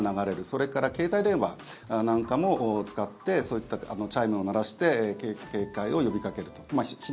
それから携帯電話なんかも使ってそういったチャイムを鳴らして警戒を呼びかけると。